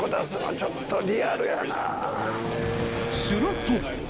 すると！